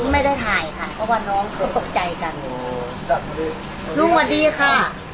ไม่ได้ถ่ายค่ะเพราะว่าน้องเขาตกใจกันดีลุงสวัสดีค่ะ